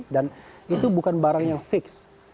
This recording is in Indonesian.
dan itu bukan barang yang fix